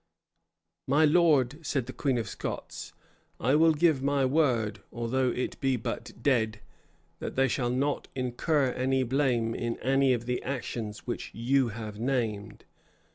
"My lord," said the queen of Scots, "I will give my word (although it be but dead) that they shall not incur any blame in any of the actions which you have named.